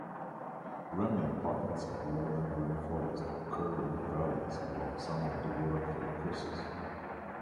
Remnant pockets of lowland rainforest occur in the valleys along some of the watercourses.